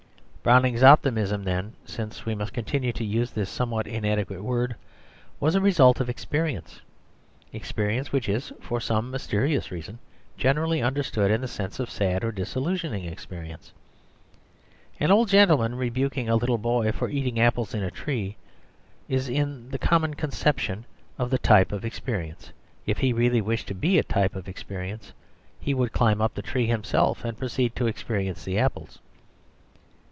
Browning's optimism then, since we must continue to use this somewhat inadequate word, was a result of experience experience which is for some mysterious reason generally understood in the sense of sad or disillusioning experience. An old gentleman rebuking a little boy for eating apples in a tree is in the common conception the type of experience. If he really wished to be a type of experience he would climb up the tree himself and proceed to experience the apples.